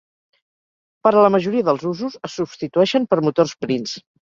Per a la majoria dels usos, es substitueixen per motors Prince.